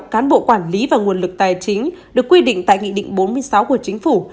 cán bộ quản lý và nguồn lực tài chính được quy định tại nghị định bốn mươi sáu của chính phủ